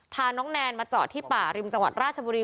พาน้องแนนมาจอดที่ป่าริมจังหวัดราชบุรี